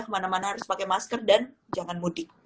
kemana mana harus pakai masker dan jangan mudik